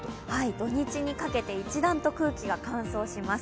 土日にかけて一段と空気が乾燥します。